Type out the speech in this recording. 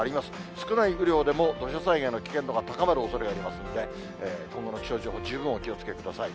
少ない雨量でも土砂災害の危険度が高まるおそれがありますので、今後の気象情報、十分お気をつけください。